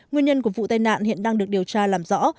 nguyên nhân của vụ tai nạn hiện đang được điều tra làm rõ